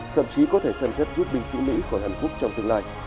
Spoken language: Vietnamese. thậm chí có thể xem xét rút binh sĩ mỹ khỏi hàn quốc trong tương lai